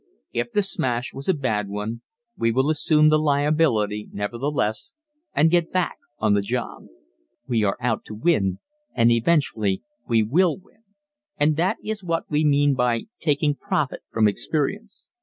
If the smash was a bad one we will assume the liability, nevertheless, and get back on the job. We are out to win and eventually we will win. And that is what we mean by taking profit from experience.